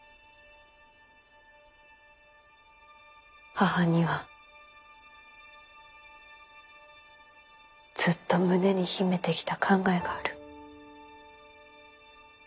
母にはずっと胸に秘めてきた考えがある。